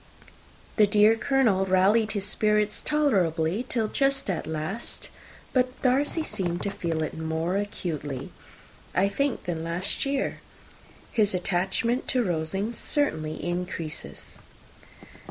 The dear Colonel rallied his spirits tolerably till just at last; but Darcy seemed to feel it most acutely more, I think, than last year. His attachment to Rosings certainly increases."